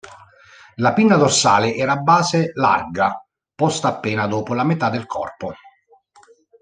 La pinna dorsale era a base larga, posta appena dopo la metà del corpo.